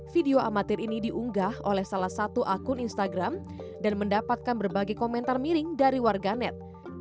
video amatir ini diunggah oleh salah satu akun instagram dan mendapatkan berbagai komentar miring dari warganet